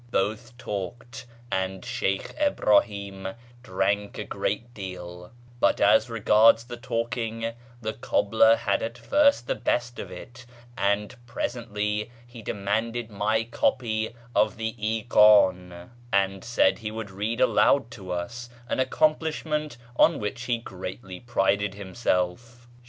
Both talked, and Sheykh Ibrahim drank a great deal ; but as regards the talking, the cobbler had at first the best of it, and presently he demanded my copy of the Ikdn, and said he would read aloud to us — an accomplishment on which he greatly prided himself.